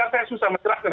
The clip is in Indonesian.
kan saya susah menjelaskan